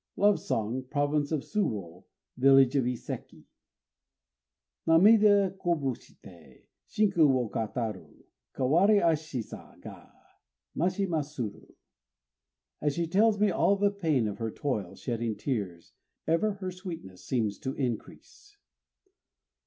LOVE SONG (Province of Suwô, village of Iséki) Namida koboshité Shinku wo kataru, Kawairashi sa ga Mashimasuru! As she tells me all the pain of her toil, shedding tears, ever her sweetness seems to increase.